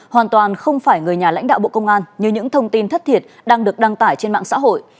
hoàn toàn không phải người nhà lãnh đạo bộ công an như những thông tin thất thiệt đang được đăng tải trên mạng xã hội